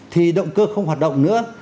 thì động cơ không hoạt động nữa